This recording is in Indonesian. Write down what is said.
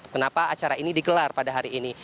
kenapa acara ini digelar pada hari ini